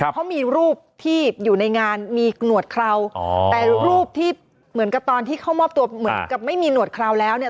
เขามีรูปที่อยู่ในงานมีหนวดเคราแต่รูปที่เหมือนกับตอนที่เข้ามอบตัวเหมือนกับไม่มีหนวดคราวแล้วเนี่ย